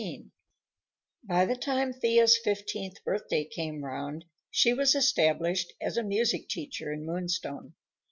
XV By the time Thea's fifteenth birthday came round, she was established as a music teacher in Moonstone.